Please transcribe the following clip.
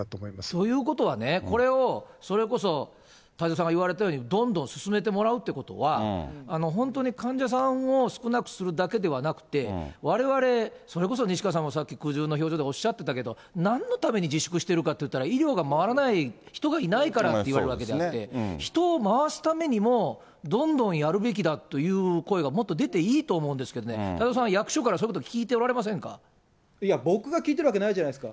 ということは、これをそれこそ、太蔵さんが言われたようにどんどん進めてもらうってことは、本当に患者さんを少なくするだけではなくて、われわれ、それこそ西川さんもさっき苦渋の表情でおっしゃってたけれども、なんのために自粛してるかっていったら、医療が回らない、人がいないからということであって、人を回すためにも、どんどんやるべきだという声がもっと出ていいと思うんですけれどもね、太蔵さんは役所からそういうこと、いや僕が聞いてるわけないじゃないですか。